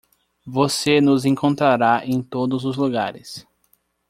Você nos encontrará em todos os lugares.